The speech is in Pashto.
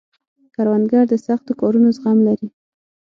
کروندګر د سختو کارونو زغم لري